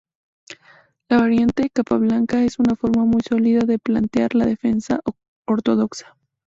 La variante Capablanca es una forma muy sólida de plantear la Defensa ortodoxa.